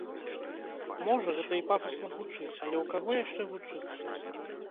Можа, гэта і пафасна гучыць, але ў каго яшчэ вучыцца?